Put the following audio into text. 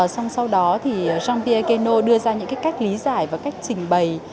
sau đó jean pierre guénot đưa ra những cách lý giải và cách trình bày